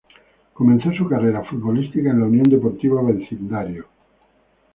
Comenzó su carrera futbolística en la Unión Deportiva Vecindario.